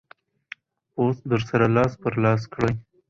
پوسټ در سره لاس پر لاس کړئ.